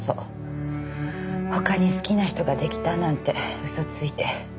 他に好きな人が出来たなんて嘘ついて。